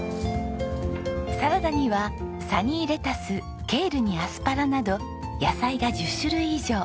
サラダにはサニーレタスケールにアスパラなど野菜が１０種類以上。